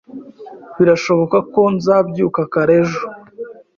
Birashoboka ko nzabyuka kare ejo.